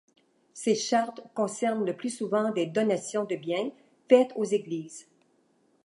Ces chartes concernent le plus souvent des donations de biens faites aux églises.